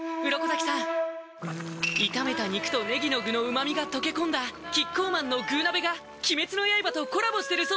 鱗滝さん炒めた肉とねぎの具の旨みが溶け込んだキッコーマンの「具鍋」が鬼滅の刃とコラボしてるそうです